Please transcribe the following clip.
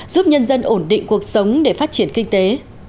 giúp nhân dân ổn định cuộc sống để phát triển kinh tế